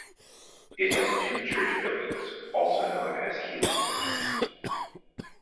It has two church buildings, also known as healing centres.